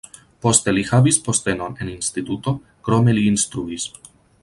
Poste li havis postenon en instituto, krome li instruis.